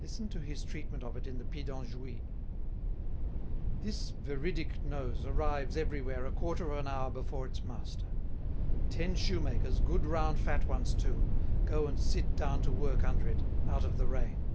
Listen to his treatment of it in the Pédant joué: "This veridic nose arrives everywhere a quarter of an hour before its master. Ten shoemakers, good round fat ones too, go and sit down to work under it out of the rain."